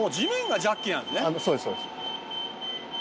そうですそうです。